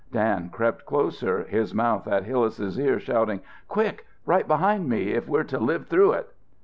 Dan crept closer, his mouth at Hillas's ear, shouting, "Quick! Right behind me if we're to live through it!"